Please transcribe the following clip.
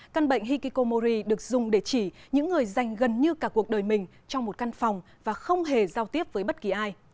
căn bệnh hikikomori được dùng để chỉ những người dành gần như cả cuộc đời mình trong một căn phòng và không hề giao tiếp với bất kỳ ai